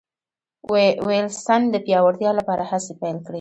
وېلسن د پیاوړتیا لپاره هڅې پیل کړې.